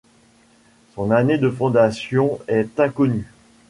Son année de fondation est inconnue.